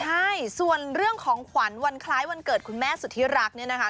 ใช่ส่วนเรื่องของขวัญวันคล้ายวันเกิดคุณแม่สุธิรักเนี่ยนะคะ